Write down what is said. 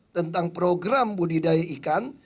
tentang program budidaya ikan